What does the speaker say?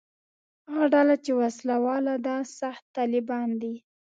هغه ډله چې وسله واله ده «سخت طالبان» دي.